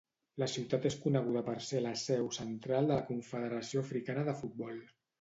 La ciutat és coneguda per ser la seu central de la Confederació Africana de Futbol.